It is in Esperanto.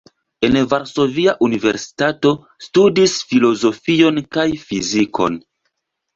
En Varsovia Universitato studis filozofion kaj fizikon.